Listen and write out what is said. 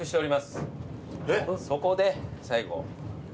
そこで最後。